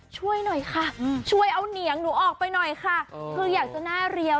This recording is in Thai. ช่วยหน่อยค่ะช่วยเอาเหนียงหนูออกไปหน่อยค่ะคืออยากจะหน้าเรียว